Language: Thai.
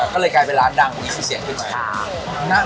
ก็เลยกลายเป็นร้านดังอุ๊ยสิเซียขึ้นมา